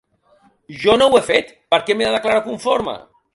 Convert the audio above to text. Jo no ho he fet, per què m’he de declarar conforme?